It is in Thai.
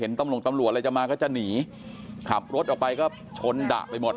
น่าจะเห็นตำรวจอะไรจะมาก็จะหนีขับรถออกไปก็ชนไดด์ไปหมด